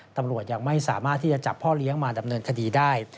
ตำรวจยังไม่สามารถที่จะจับพ่อเลี้ยงมาดำเนินคดีได้